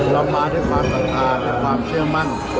เรามาด้วยความสัมภาษณ์กับความเชื่อมั่ง